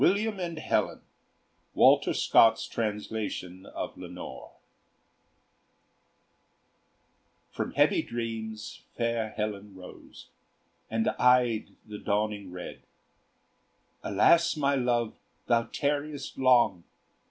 WILLIAM AND HELEN Walter Scott's Translation of 'Lenore' From heavy dreams fair Helen rose, And eyed the dawning red: "Alas, my love, thou tarriest long!